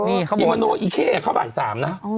อิมโมโนอิเค่เข้าบ่ายสามนะ